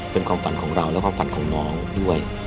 เป็นความฝันของเราและความฝันของน้องด้วย